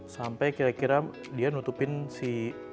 sampai kira kira dia nutupin si